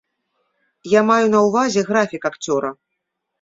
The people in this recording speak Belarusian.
Я маю на ўвазе графік акцёра.